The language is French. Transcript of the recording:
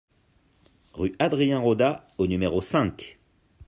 Rue Adrien Rodat au numéro cinq